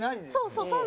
そうそう。